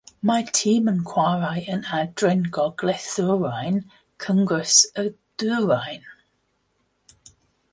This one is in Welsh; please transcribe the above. Mae'r tîm yn chwarae yn Adran Gogledd-ddwyrain Cyngres y Dwyrain.